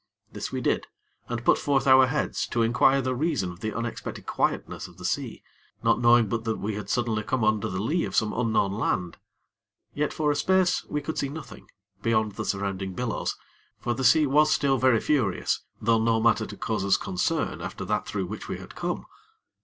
This we did, and put forth our heads to inquire the reason of the unexpected quietness of the sea; not knowing but that we had come suddenly under the lee of some unknown land. Yet, for a space, we could see nothing, beyond the surrounding billows; for the sea was still very furious, though no matter to cause us concern, after that through which we had come.